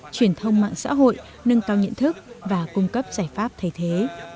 truyền thông mạng xã hội nâng cao nhận thức và cung cấp giải pháp thay thế